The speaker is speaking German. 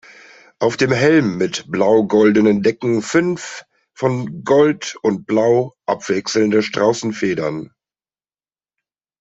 Auf dem Helm mit blau-goldenen Decken fünf, von Gold und Blau abwechselnde Straußenfedern.